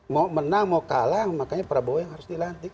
mau menang mau kalah makanya prabowo yang harus dilantik